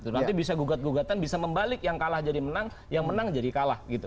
nanti bisa gugat gugatan bisa membalik yang kalah jadi menang yang menang jadi kalah gitu